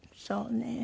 そうね。